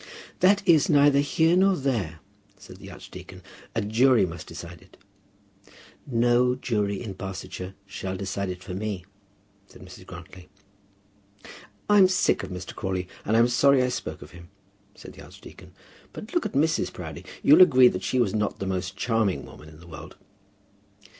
"That is neither here nor there," said the archdeacon. "A jury must decide it." "No jury in Barsetshire shall decide it for me," said Mrs. Grantly. "I'm sick of Mr. Crawley, and I'm sorry I spoke of him," said the archdeacon. "But look at Mrs. Proudie. You'll agree that she was not the most charming woman in the world."